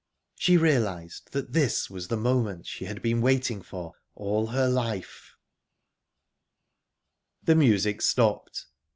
She realised that this was the moment she had been waiting for all her life... The music stopped.